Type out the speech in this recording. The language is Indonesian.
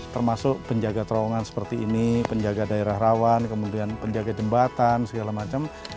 termasuk penjaga terowongan seperti ini penjaga daerah rawan kemudian penjaga jembatan segala macam